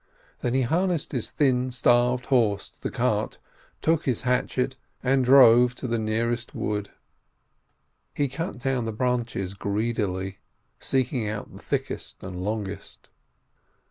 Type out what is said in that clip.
Then he harnessed his thin, starved horse to the cart, took his hatchet, and drove into the nearest wood. He cut down the branches greedily, seeking out the thickest and longest.